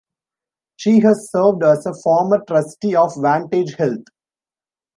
She has served as a former Trustee of Vantage Health.